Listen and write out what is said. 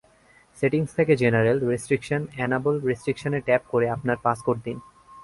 Settings থেকে general, restriction, enable রেস্ট্রিকশনসে tap করে আপনার পাসকোড দিন।